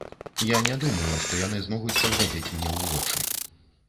Я не думаю, што яны змогуць паглядзець мне ў вочы.